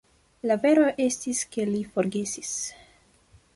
La vero estis, ke li forgesis.